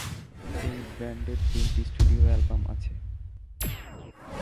এই ব্যান্ডের তিনটি স্টুডিও অ্যালবাম আছে।